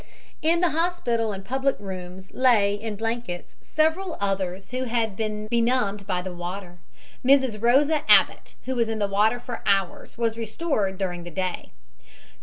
In the hospital and the public rooms lay, in blankets, several others who had been benumbed by the water. Mrs. Rosa Abbott, who was in the water for hours, was restored during the day.